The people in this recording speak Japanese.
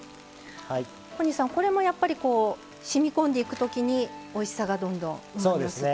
小西さんこれもやっぱりしみこんでいくときにおいしさがどんどんうまみが移って？